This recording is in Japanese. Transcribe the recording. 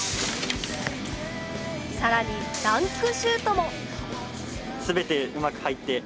さらにダンクシュートも。